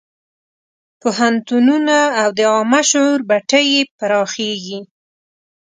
پوهنتونونه او د عامه شعور بټۍ یې پراخېږي.